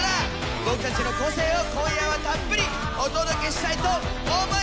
僕たちの個性を今夜はたっぷりお届けしたいと思います！